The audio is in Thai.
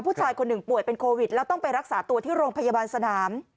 ผู้ชายคนหนึ่งป่วยเป็นโควิดแล้วต้องไปรักษาตัวที่โรงพยาบาลสนาม